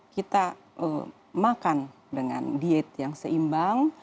kita makan dengan diet yang seimbang